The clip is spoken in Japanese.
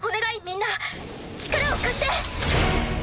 みんな力を貸して！